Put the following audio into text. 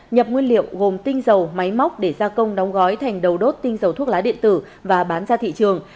nhập nguyên liệu gồm tinh dầu máy móc để gia công đóng gói thành đầu đốt tinh dầu thuốc lá điện tử và bán ra thị trường